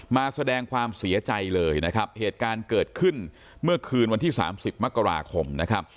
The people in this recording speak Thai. มาแสดงความเสียใจเลยนะครับเหตุการณ์เกิดขึ้นเมื่อคืนวันที่สามสิบมกราคมนะครับ